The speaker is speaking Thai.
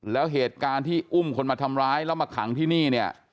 แล้วเหตุการณ์ที่อุ้มคนมาทำร้ายแล้วมาขังที่นี่เนี่ย